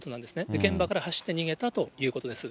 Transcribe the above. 現場から走って逃げたということです。